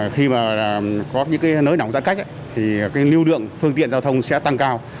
khi mà có những nỗi nỏng giãn cách thì lưu lượng phương tiện giao thông sẽ tăng cao